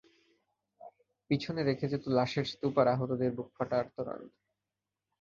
পিছনে রেখে যেত লাশের স্তূপ আর আহতদের বুকফাটা আর্তনাদ।